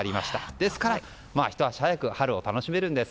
ですからひと足早く春を楽しめるんです。